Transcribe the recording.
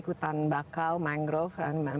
hutan bakau mangrove dan